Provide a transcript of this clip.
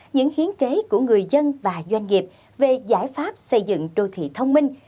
những hiến kế của người dân và doanh nghiệp về giải pháp xây dựng đô thị thông minh